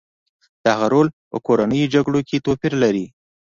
د هغه رول په کورنیو جګړو کې توپیر لري